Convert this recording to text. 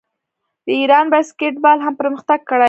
د ایران باسکیټبال هم پرمختګ کړی.